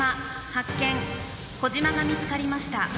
小島が見つかりました。